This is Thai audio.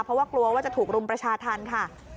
เพราะว่ากลัวว่าจะถูกรุมประชาธรรมค่ะ